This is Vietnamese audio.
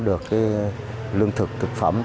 được cái lương thực thực phẩm